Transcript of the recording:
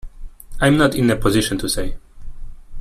I'm not in a position to say.